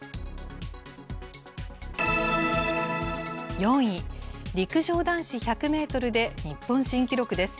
４位、陸上男子１００メートルで日本新記録です。